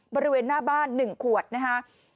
บริเวณหน้าบ้าน๑ขวดนะครับ